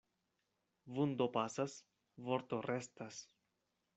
Vundo pasas, vorto restas.